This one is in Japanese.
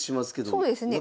そうですね。